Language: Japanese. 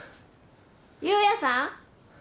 ・夕也さん。